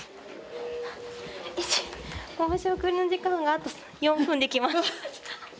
申し送りの時間があと４分で来ます。